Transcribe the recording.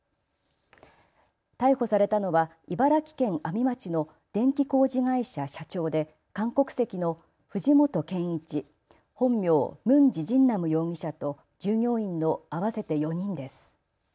逮捕されたのは茨城県阿見町の電気工事会社社長で韓国籍の藤本賢一、本名・文志津男容疑者と従業員の合わせて４人です。